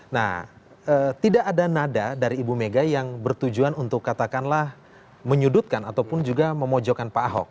nah tidak ada nada dari ibu mega yang bertujuan untuk katakanlah menyudutkan ataupun juga memojokkan pak ahok